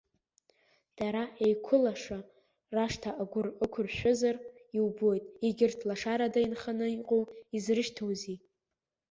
Дара еиқәылашо, рашҭа агәыр ықәыршәызар иубоит, егьырҭ лашарада инханы иҟоу изрышьҭоузеи!